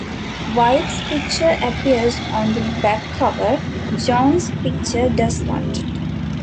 White's picture appears on the back cover; Jones' picture does not.